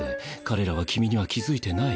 彼らは君には気付いてない。